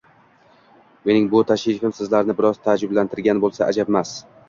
Mening bu tashrifim sizlarni biroz taajjublantirgan bo‘lsa, ajabmas.